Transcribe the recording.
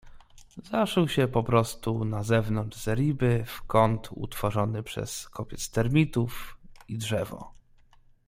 Zaszył się poprostu na zewnątrz zeriby, w kąt, utworzony przez kopiec termitów i drzewo.